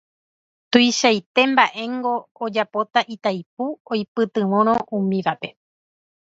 Tuichaite mba'éngo ojapóta Itaipu oipytyvõrõ umívape